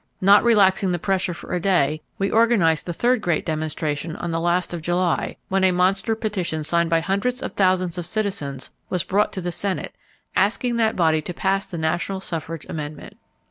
Not relaxing the pressure for a day we organized the third great demonstration on the last of July when a monster petition signed by hundreds of thousands of citizens was brought to the Senate asking that body to pass the national suffrage amendment.